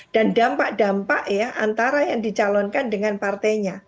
dan dampak dampak ya antara yang dicalonkan dengan partainya